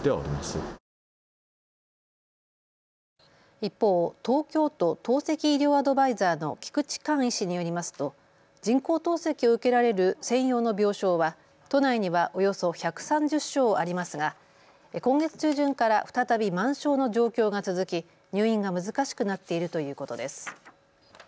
一方、東京都透析医療アドバイザーの菊地勘医師によりますと人工透析を受けられる専用の病床は都内にはおよそ１３０床ありますが今月中旬から再び満床の状況が続き、入院が難しくなっているということです。